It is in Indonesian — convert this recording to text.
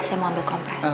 saya mau ambil kompres